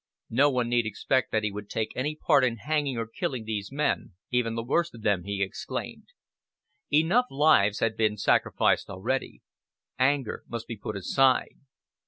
"No one need expect that he would take any part in hanging or killing these men, even the worst of them," he exclaimed. Enough lives had been sacrificed already. Anger must be put aside.